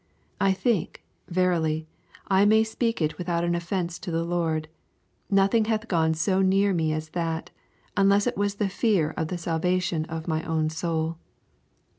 I think, verily, I may speak it without an offence to the Lord, nothing hath gone so near me as that, unless it was the fear of the salvation of my own soul.